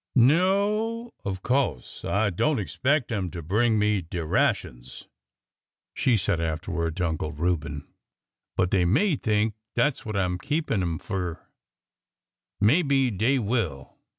No, of co'se I don't expect 'em to bring me de ra tions," she said afterward to Uncle Reuben : but dey may think dat 's what I 'm keepin' 'im fur. Maybe dey will."